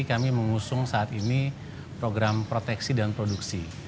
kami mengusung saat ini program proteksi dan produksi